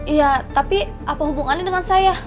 iya tapi apa hubungannya dengan saya